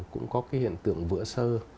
cũng có cái hiện tượng vữa sơ